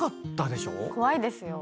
怖いですよ。